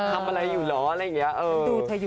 ทำอะไรอยู่เหรออะไรอย่างนี้